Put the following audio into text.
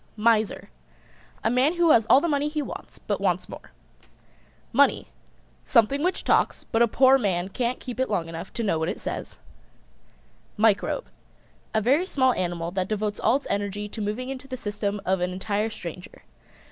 MISER. A man who has all the money he wants but wants more. MONEY. Something which talks, but a poor man can't keep it long enough to know what it says. [Illustration: 1/1000 MICROBE ENLARGED] MICROBE. A very small animal that devotes all its energy to moving into the system of an entire stranger.